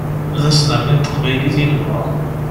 D anserni n teqbaylit i nebɣa.